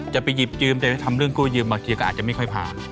จะไปหยิบยืมแต่ไปทำเรื่องกู้ยืมมาเคลียร์ก็อาจจะไม่ค่อยผ่าน